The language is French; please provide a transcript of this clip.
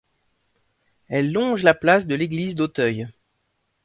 Elle longe la place de l'Église-d'Auteuil.